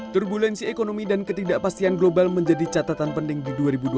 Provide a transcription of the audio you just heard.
turbulensi ekonomi dan ketidakpastian global menjadi catatan penting di dua ribu dua puluh